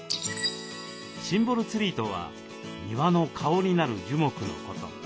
シンボルツリーとは庭の顔になる樹木のこと。